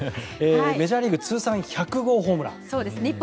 メジャーリーグ通算１００号ホームラン。